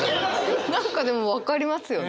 何かでも分かりますよね。